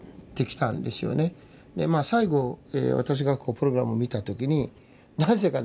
最後私がプログラムを見た時になぜかね